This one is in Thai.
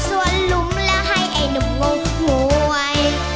ส่วนหลุมแล้วให้ไอ้หนุ่มงกหวย